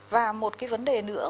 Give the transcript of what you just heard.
và một cái vấn đề nữa